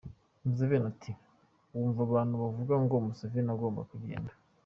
Museveni ati : “wumva abantu bavuga ngo Museveni agomba kugenda”.